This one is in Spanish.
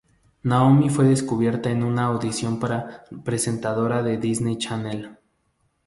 Naomi fue descubierta en una audición para presentadora de Disney Channel.